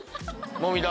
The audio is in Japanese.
もみ玉。